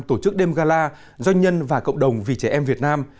tổ chức đêm gala doanh nhân và cộng đồng vì trẻ em việt nam